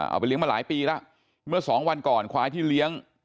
เอาไปเลี้ยมาหลายปีแล้วเมื่อสองวันก่อนควายที่เลี้ยง